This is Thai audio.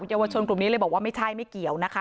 เยาวชนกลุ่มนี้เลยบอกว่าไม่ใช่ไม่เกี่ยวนะคะ